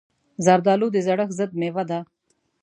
زردالو د زړښت ضد مېوه ده.